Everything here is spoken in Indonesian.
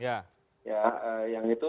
ya yang itu